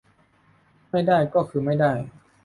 ไม่ได้ก็คือไม่ได้